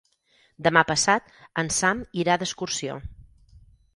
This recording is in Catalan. Demà passat en Sam irà d'excursió.